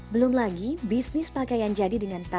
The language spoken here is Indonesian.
belum lagi bisnis pakaian jadi dengan anak muda